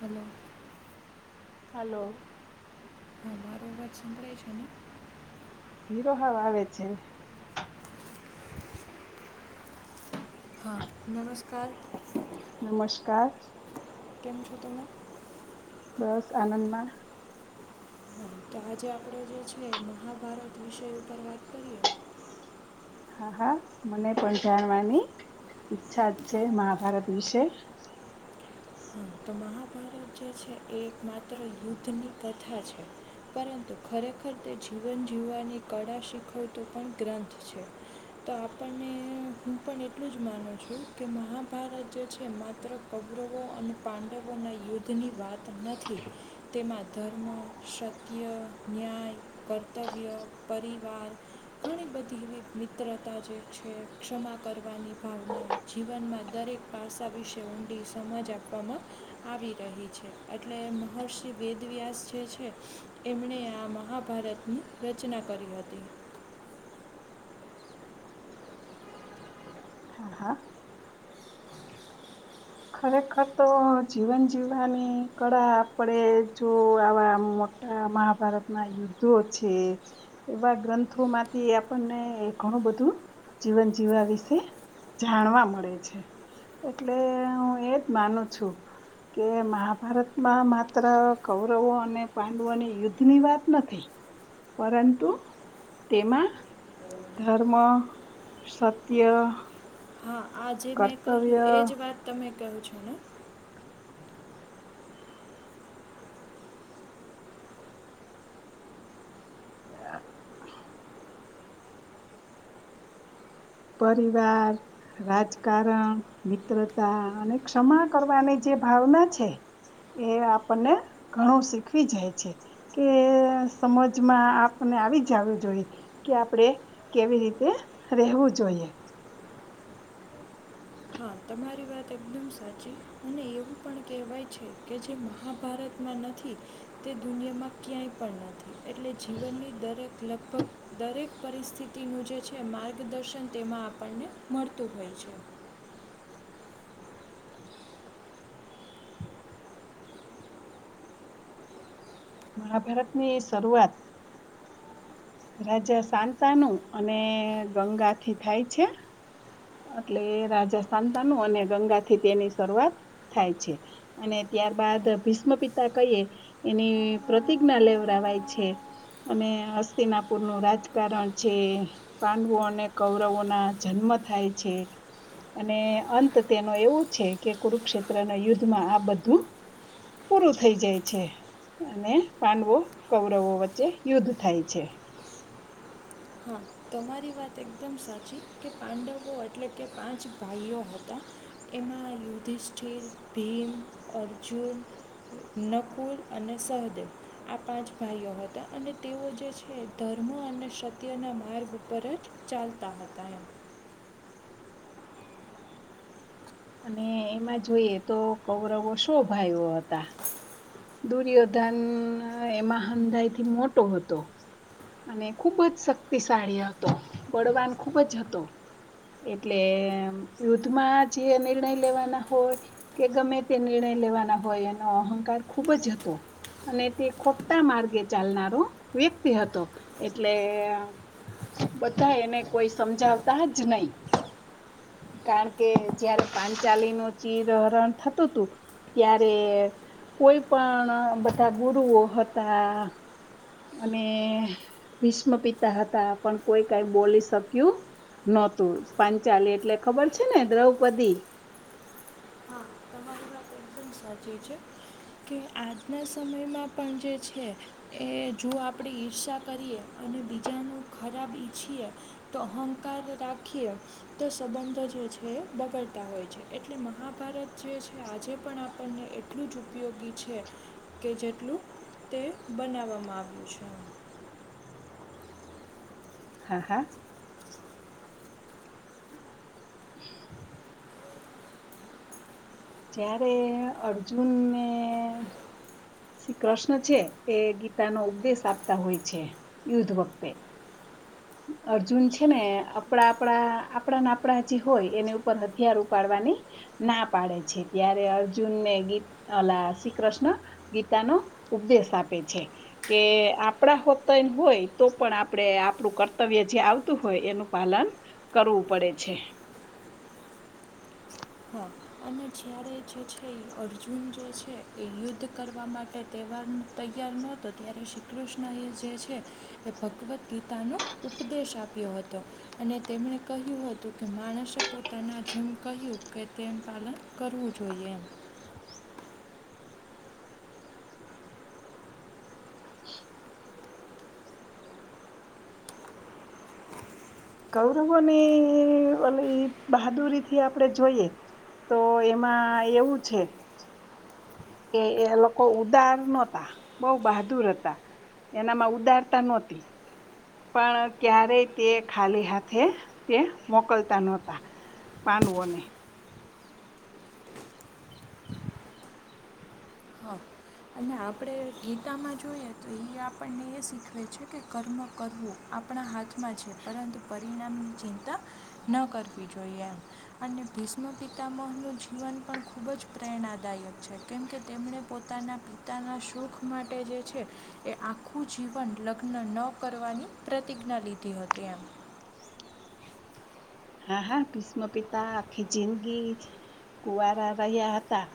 Hello! Hello! હ મારો અવાજ સંભળાય છે ને? ધીરો હાવ આવે છે. હા, નમસ્કાર! નમસ્કાર! કેમ છો તમે? બસ આનંદમાં. હા તો આજે આપણે જે છે મહાભારત વિષય ઉપર વાત કરીએ. હા હા મને પણ જાણવાની ઈચ્છા છે મહાભારત વિશે. હમ તો મહાભારત જે છે એ એક માત્ર યુદ્ધની કથા છે. પરંતુ ખરેખર તે જીવન જીવવાની કળા શીખવતો પણ ગ્રંથ છે. તો આપણને હું પણ એટલું જ માનું છું કે મહાભારત જે છે માત્ર કૌરવો અને પાંડવોના યુદ્ધની વાત નથી તેમાં ધર્મ, સત્ય, ન્યાય, કર્તવ્ય, પરિવાર ઘણી બધી એવી મિત્રતા જે છે ક્ષમા કરવાની ભાવનાઓ જીવનમાં દરેક પાસા વિશે ઊંડી સમજ આ પવામાં આવી રહી છે એટલે મહર્ષિ વેદવ્યાસ જે છે એમણે આ મહાભારતની રચના કરી હતી. હા, હા. ખરેખર તો જીવન જીવવાની કળા આપણેે જો આવા મો આ મહાભારતના યુદ્ધો છે એવા ગ્રંથોમાંથી આપણને ઘણું બધું જીવન જીવવા વિશે જાણવા મળે છે એટલે હું એજ માનું છું કે મહાભારતમાં માત્ર કૌરવો અને પાંડવોની યુદ્ધ ની વાત નથી. પરંતુ તેમાં ધર્મ, સત્ય, હા, આ જે મેં કહ્યું કર્તવ્ય એ જ વાત તમે કહો છો ને. [inaudible] પરિવાર, રાજકારણ, મિત્રતા અને ક્ષમા કરવાની જે ભાવના છે એ આપણને ઘણું શીખવી જાય છે. કે સમજમાં આપને આવી જાવ જોઈએ કે આપડે કેવી રીતે રહેવું જોઈએ. હા, તમારી વાત એકદમ સાચી અને એવું પણ કહેવાય છે કે જે મહાભારતમાં નથી તે દુનિયામાં ક્યાંય પણ નથી. એટલે જીવનની દરેક લગભગ દરેક પરિસ્થિતિનું જે છે માર્ગદર્શન તેમાં આપણને મળતું હોય છે. મહાભારતની શરૂઆત રાજા સાંતાનું અને ગંગાથી થાય છે. એટલે રાજા સાંતાનું અને ગંગાથી તેની શરૂઆત થાય છે. અને ત્યારબાદ ભીષ્મપિતા કહીએ એની પ્રતિજ્ઞા લેવરાવાય છે. અને હસ્તિનાપુરનું રાજકારણ છે પાંડવો અને કૌરવોના જન્મ થાય છે. અને અંત તેનો એવું છે કે કુરુક્ષેત્ર ના યુદ્ધમાં આ બધું પૂરું થઇ જાય છે અને પાંડવો કૌરવો વચ્ચે યુદ્ધ થાય છે હા તમારી વાત એકદમ સાચી કે પાંડવો એટલે કે પાંચ ભાઈઓ હતા એમાં યુધિષ્ઠિર ભીમ અર્જુન નકુલ અને સહદેવ આ પાંચ ભાઈઓ હતા અને તેઓ જે છે ધર્મ અને સ અત્યના માર્ગ પર જ ચાલતા હતા એમ અને એમાં જોઈએ તો કૌરવો શો ભાઈઓ હતા દુર્યોધન એમાં હંધાઈ થી મોટો હતો અને ખુબ જ શક્તિશાળી હતો બળવાન ખુબ જ હતો એટલે યુદ્ધ માં જે નિર્ણય લેવાના હોય કે ગમે તે નિર્ણય લેવાના હોય એનો અહંકાર ખુબ જ હતો અને તે ખોટા માર્ગે ચાલનારો વ્યક્તિ હતો એટલે બધા એને કોઈ સમજાવતા જ નહી કારણ કે જારે પાંચાલી નું ચિરહરણ થતું હતું ત્યારે કોઈ પણ બધા ગુરુઓ હતા. અને ભીષ્મ પિતા હતા પણ કોઈ કઈ બોલી શક્યું નહોતું પાંચાલી એટલે ખબર છે ને દ્રૌપદી હા તમારી વાત એકદમ સાચી છે કે આજના સમયમાં પણ જે છે એ જો આપણે ઈર્ષા કરીએ અને બીજાનું ખરાબ ઈચ્છીએ તો અહંકાર રાખીએ તો સંબંધો જે છે બગડતા હોય છે એટલે મહાભારત જે છે આજે પણ આપણને એટલું જ ઉપયોગી છે કે જેટલું તે બનાવવામાં આવ્યું છે હા હા [inaudible] જ્યારે અર્જુનને શ્રી કૃષ્ણ છે એ ગીતા નો ઉપદેશ આપતા હોય છે યુદ્ધ વખતે અર્જુન છે ને આપણા આપણા આપણાને આપડા જે હોય એની ઉપર હથિયાર ઉપાડવાની ના પાડે છે ત્યારે અર્જુન ને ગીત અલા શ્રી કૃષ્ણ ગીતાનો ઉપદેશ આપે છે કે આપણા હોતાય હોય તો પણ આપડે આપડું કરતા કરતવ્ય જે આવતું હોય એનું પાલન કરવું પડે છે હા અને જ્યારે જે છે એ અર્જુન જે છે એ યુદ્ધ કરવા માટે તહેવાર તૈયાર નતો ત્યારે શ્રી કૃષ્ણ એ જે છે એ ભગવદ ગીતાનો ઉપદેશ આપ્યો હતો. અને તેમણે કહ્યું હતું કે માણસે પોતાના જીમ કહ્યું કે તેમ પાલન કરવું જોઈએ એમ [inaudible] કૌરવોની ઓ બહાદુરી થી આપણેે જોઈએ તો એમાં એવું છે કે એ લોકો ઉદાર નહતા બહ બહાદુર હતા એનામાં ઉદારતા નહોતી પણ ક્યારેય તે ખાલી હાથે તે મોકલતા નહોતા પાડવોને. હા અને આપણે ગીતામાં જોઈએ તો એ આપણને એ શીખવે છે કે કર્મ કરવું આપણા હાથમાં છે પરંતુ પરિણામની ચિંતા ન કરવી જોઈએ એમ અને ભીષ્મ પિતામોહ નું જીવન પણ ખૂબ જ પ્રેરણાદાયક છે કેમ કે તેમણે પોતાના પિતાના સુખ માટે જે છે. એ આખું જીવન લગ્ન ન કરવાની પ્રતિજ્ઞા લીધી હતી એમ. હા હા ભીષ્મ પિતા આખી જિંદગી કુવારા રહ્યા હતા.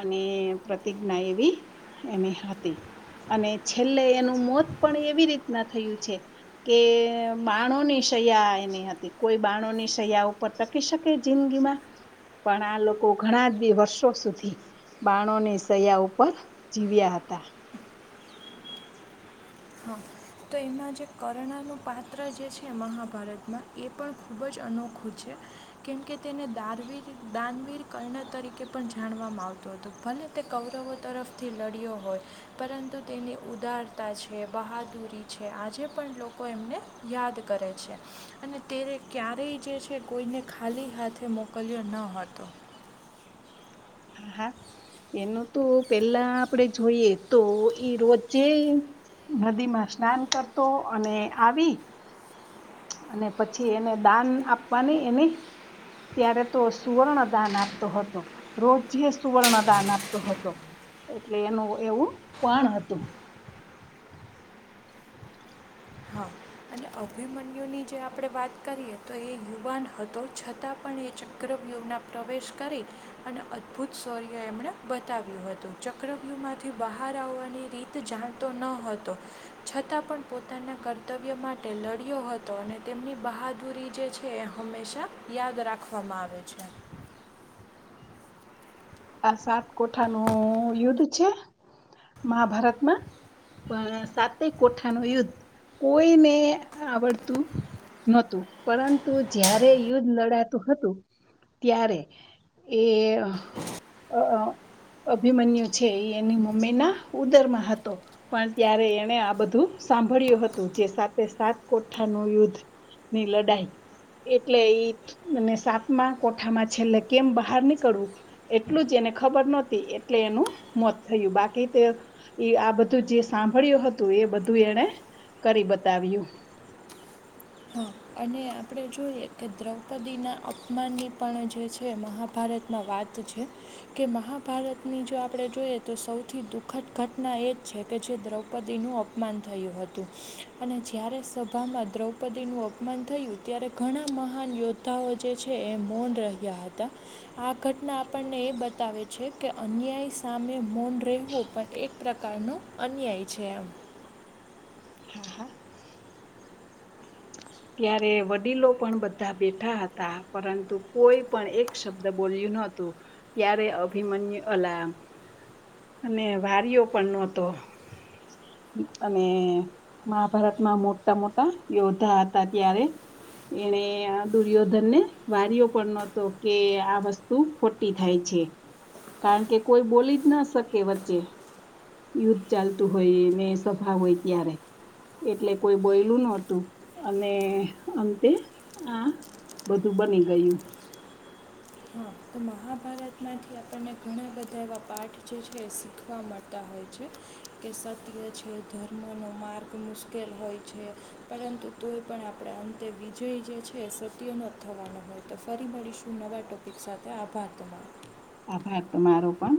અને પ્રતિજ્ઞા એવી એને હતી. અને છેલ્લે એનું મોત પણ એવી રીતના થયું છે. કે બાણોની સયા એની હતી કોઈ બાણોની સયા ઉપર ટકી શકે જિંદગીમાં પણ આ લોકો ઘણા વર્ષો સુધી બાણોની સયા ઉપર જીવ્યા હતા. હા તો એમાં જે કરણાનું પાત્ર જે છે મહાભારતમાં એ પણ ખૂબ જ અનોખું છે. કેમકે તેને દાનવીર દાનવીર કરણ તરીકે પણ જાણવામાં આવતો હતું. ભલે તે કૌરવો તરફથી લડ્યો હોય. પરંતુ તેની ઉદારતા છે, બહાદુરી છે આજે પણ લોકો એમને યાદ કરે છે. અને તેને ક્યારેય જે છે કોઈને ખાલી હાથે મોકલ્યો ન હતો. હા હા એનું તો પેલા આપડે જોઈએ તો એ રોજે નદી માં સ્નાન કરતો અને આવી અને પછી એને દાન આપવાની એની ત્યારે તો સુવર્ણ દાન આપતો હતો. રોજ જે સુવર્ણદાન આપતો હતો એટલે એનું એવું પણ હતું. હા અને અભિમન્યુની જે આપણે વાત કરીએ તો એ યુવાન હતો છતાં પણ એ ચ ઉગ્રવ્યહમાં પ્રવેશ કરી અને અદભુત શૌર્ય એમણે બતાવ્યું હતું. ચક્રવ્યહ માંથી બહાર આવવાની રીત જાણતો ન હતો. છતાં પણ પોતાના કર્તવ્ય માટે તેટેલરિયો હતો અને તેમની બહાદુરી જે છે એ હંમેશા યાદ રાખવામાં આવે છે. આ સાત કોઠાનું યુદ્ધ છે મહાભારતમાં પણ સાતેય કોઠા ન યુદ્ધ કોઈને આવડતું. નોતું પરંતુ જય્યારે યુદ્ધ લડાતું હતું ત્યારે એ અ અભિમન્યુ છે એ એની મમ્મી ના ઉદરમાં હતો. પણ ત્યારે એણે આ બધું સાંભળ્યું હતું જે સાતે સાત કોઠાનું યુદ્ધ નીલ ડાય એટલે ઈ સાતમા કોઠામાં છેલ્લે કેમ બહાર નીકળવું એટલું જ એને ખબર નહોતી એટલે એનું મોત થયું બાકી તે એ આ બધું જે સાંભળ્યું હતું એ બધું એને કરી બતાવ્યું. હા અને આપણે જોઈએ કે દ્રૌપદીના અપમાનની પણ જે છે મહાભારતમાં વાત તો છે.. કે મહાભારતની જો આપણે જોઈએ તો સૌથી દુઃખદ ઘટના એ જ છે. કે જે દ્રૌપદીનું માન થયું હતું અને જ્યારે સભામાં દ્રૌપ પદી નું અપમાન થયું ત્યારે ઘણા મહાન યોદ્ધાઓ જે છે. એ મૌન રહ્યા હતા. આ ઘટના આપણને એ બતાવે છે. કે અન્યાય સામે મન રહેવું પણ એક પ્રકારનો અન્યાય છે. એમ ત્યારે વડીલો પણ બધા બેઠા હતા પરંતુ કોઈ પણ એક શબ્દ બોલ્યું નોતું ત્યારે અભિમન્યુ અલામ અને વાર્યો પણ નહોતો અને મહાભારતમાં મોટા મોટા યોદ્ધા ત્યારે એને દુર્યોધન ને વાર્યો પણ નતો કે આ વસ્તુ શું ખોટી થાય છે. કારણ કે કોઈ બોલી જ ના શકે વચ્ચે યુદ્ધ ચાલતું હોય ને સભા હોય ત્યારે એટલે કોઈ બોયલું નોતું અને અંતે આ બધું બની ગયું હા તો મહાભારતમાંથી આપણને ઘણા બધા એવા પાઠ જે છે. એ શીખવા મળતા હોય છે. કે સત્ય છે. ધર્મો ન માર્ગ મુશ્કેલ હોય છે. પરંતુ તોય પણ આપણા અંતે વિજય જે છે. સત્ય ન થવાનો હોય તો ફરી મળીશું નવા ટોપિક સાથે આભાર તો આભાર તમા મારો પણ